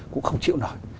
cũng không chịu nổi